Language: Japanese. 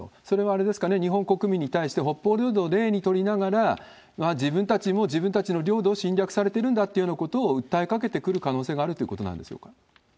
それはあれですかね、日本国民に対して、北方領土を例に取りながら、自分たちも自分たちの領土を侵略されてるんだというようなことを訴えかけてくる可能性があるということなんでしょうか？